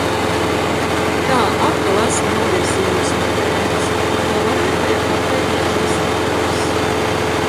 Tā, atkal esmu novirzījies no tēmas – to varēju pateikt dažos vārdos.